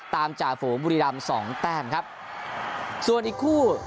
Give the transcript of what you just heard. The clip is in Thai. ตามจากฝูบุรีรำ๒แต้งครับส่วนอีกคู่